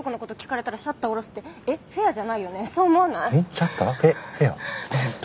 シャッター？フェア？何？